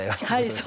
はい。